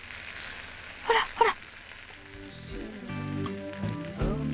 ほらほら。